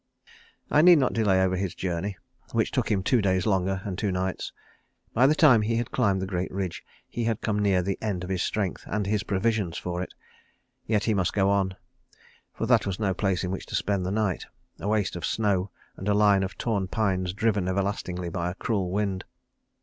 I need not delay over his journey, which took him two days longer, and two nights. By the time he had climbed the great ridge he had come near the end of his strength and his provisions for it. Yet he must go on; for that was no place in which to spend the night, a waste of snow and a line of torn pines driven everlastingly by a cruel wind.